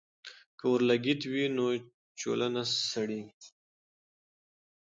که اورلګیت وي نو چولہ نه سړیږي.